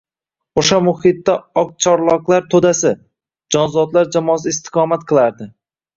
O‘sha muhitda oqcharloqlar To‘dasi — jonzotlar jamoasi istiqomat qilardi.